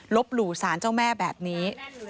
หลู่สารเจ้าแม่แบบนี้